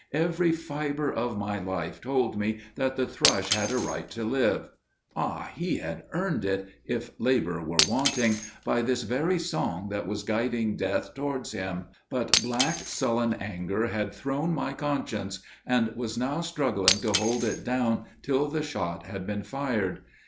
Every fibre of my life told me that the thrush had a right to live. Ah! he had earned it, if labour were wanting, by this very song that was guiding death towards him, but black sullen anger had thrown my conscience, and was now struggling to hold it down till the shot had been fired.